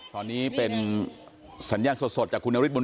ตอนนี้เป็นสัญญาณสดจากคุณนาวิทยาลัย